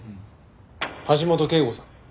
橋本圭吾さん。